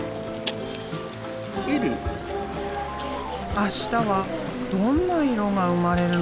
明日はどんな色が生まれるのかな。